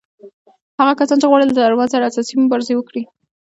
هغه کسان چې غواړي له طالبانو سره اساسي مبارزه وکړي